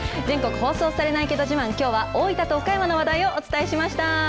全国放送されないけど自慢、きょうは大分と岡山の話題をお伝えしました。